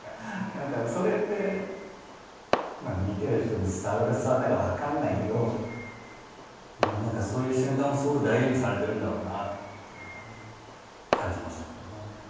何かそれって見てる人に伝わるか伝わらないか分かんないけど何かそういう瞬間もすごく大事にされてるんだろうなというのはね感じましたけどね。